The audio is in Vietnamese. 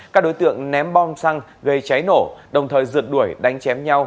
các đối tượng ném bom xăng gây cháy nổ đồng thời rượt đuổi đánh chém nhau